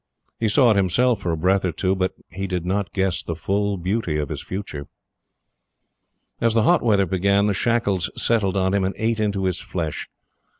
He saw it himself for a breath or two; but he did not guess the full beauty of his future. As the hot weather began, the shackles settled on him and ate into his flesh.